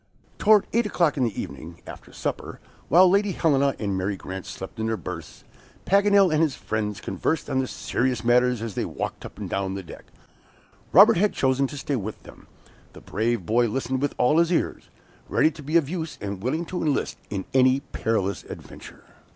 Toward eight o'clock in the evening, after supper, while Lady Helena and Mary Grant slept in their berths, Paganel and his friends conversed on serious matters as they walked up and down the deck. Robert had chosen to stay with them. The brave boy listened with all his ears, ready to be of use, and willing to enlist in any perilous adventure.